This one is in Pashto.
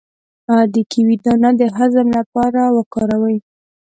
د کیوي دانه د هضم لپاره وکاروئ